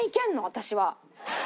私は。